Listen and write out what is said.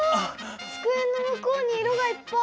つくえの向こうに色がいっぱい！